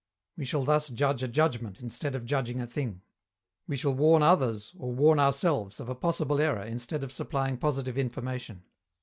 We shall thus judge a judgment instead of judging a thing. We shall warn others or warn ourselves of a possible error instead of supplying positive information.